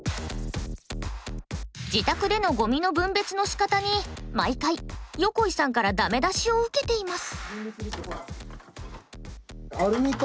自宅でのごみの分別のしかたに毎回横井さんからダメ出しを受けています。